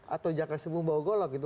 atau jangan kesembuh bawa golok gitu